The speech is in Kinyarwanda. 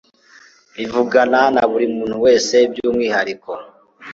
rivugana na buri muntu wese byumwihariko